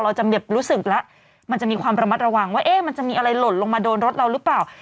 เราจะรู้สึกแล้วมันจะมีความระมัดระวังว่าเอ๊ะมันจะมีอะไรหล่นลงมาโดนรถเราหรือเปล่า